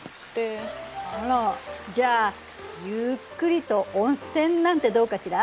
あらじゃあゆっくりと温泉なんてどうかしら？